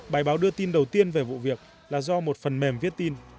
bài báo đưa tin đầu tiên về vụ việc là do một phần mềm viết tin